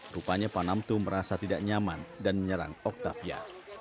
rupanya panamtu merasa tidak nyaman dan menyerang octavia